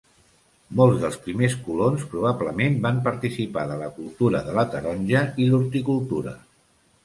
Molts dels primers colons probablement van participar de la cultura de la taronja i l'horticultura.